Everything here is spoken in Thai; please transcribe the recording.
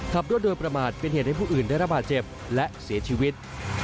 ขับรถโดยประมาทเป็นเหตุให้ผู้อื่นได้รับบาดเจ็บและเสียชีวิต